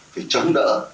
phải chống đỡ